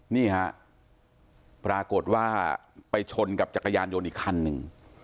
นี่ฮะปรากฏว่าไปชนกับจักรยานยนต์อีกคันหนึ่ง